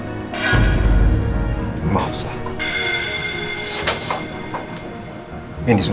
ini sudah keputusan ku